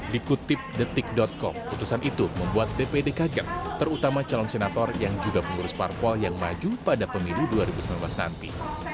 dikutip detik com putusan itu membuat dpd kaget terutama calon senator yang juga pengurus parpol yang maju pada pemilu dua ribu sembilan belas nanti